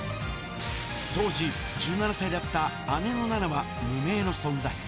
当時、１７歳だった姉の菜那は無名の存在。